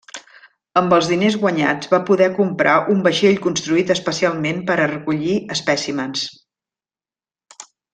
Amb els diners guanyats va poder comprar un vaixell construït especialment per a recollir espècimens.